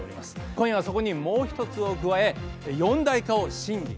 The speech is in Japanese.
今夜はそこにもう１つを加え四大化を審議・検討します。